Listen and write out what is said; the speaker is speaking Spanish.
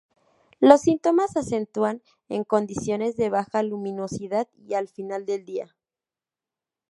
Los síntomas se acentúan en condiciones de baja luminosidad y al final del día.